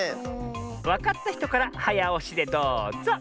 わかったひとからはやおしでどうぞ！